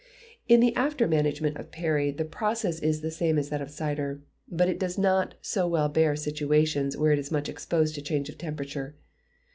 In the after management of perry the process is the same as that of cider; but it does not so well bear situations where it is much exposed to change of temperature.